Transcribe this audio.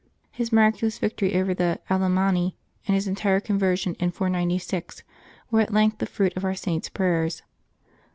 His miraculous victory over the Alemanni, and his entire conversion in 496, were at length the fruit of our Saint's prayers.